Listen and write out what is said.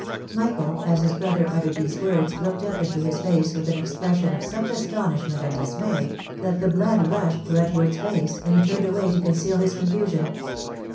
Michael, as his brother uttered these words, looked up into his face with an expression of such astonishment and dismay, that the blood rushed to Edward's face, and he turned away to conceal his con fusion.